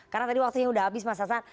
karena tadi waktunya udah habis mas hasan